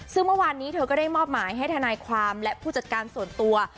ซึ่งเมื่อวานนี้เธอก็ได้มอบหมายให้ทนายความและผู้จัดการส่วนตัว